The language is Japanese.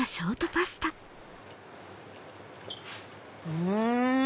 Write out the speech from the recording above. うん！